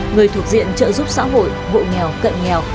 người thuộc diện trợ giúp xã hội hộ nghèo cận nghèo